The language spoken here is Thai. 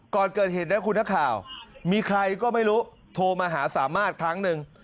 ก่อนเกิดเหตุนะคุณนักข่าวมีใครก็ไม่รู้โทรมาหาสามารถครั้งหนึ่ง